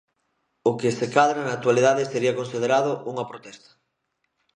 O que, se cadra, na actualidade sería considerado unha "protesta".